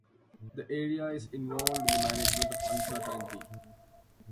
The area is involved in the management of uncertainty.